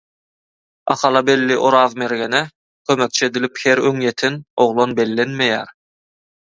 Ahala belli Oraz mergene kömekçi edilip her öňýeten oglan bellenmeýär.